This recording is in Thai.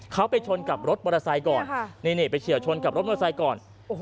เขาไปชนกับรถมอเตอร์ไซค์ก่อนนี่ไปเฉียวชนกับรถมอเตอร์ไซค์ก่อน